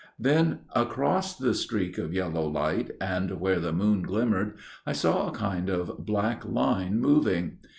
" Then across the streak of yellow light and where the moon glimmered, I saw a kind of black line, moving.